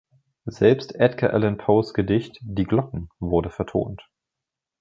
Selbst Edgar Allan Poes Gedicht „Die Glocken“ wurde vertont.